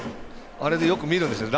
あれでよく見るんですよね。